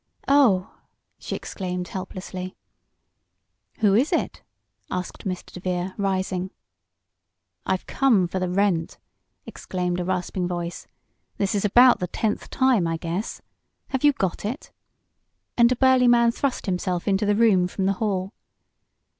"Oh!" she exclaimed, helplessly. "Who is it?" asked Mr. DeVere, rising. "I've come for the rent!" exclaimed a rasping voice. "This is about the tenth time, I guess. Have you got it?" and a burly man thrust himself into the room from the hall.